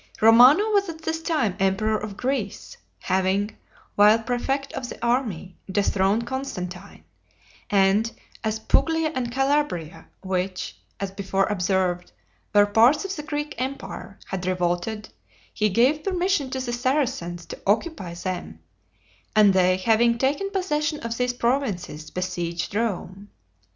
Romano was at this time emperor of Greece, having, while prefect of the army, dethroned Constantine; and as Puglia and Calabria, which, as before observed, were parts of the Greek empire, had revolted, he gave permission to the Saracans to occupy them; and they having taken possession of these provinces, besieged Rome.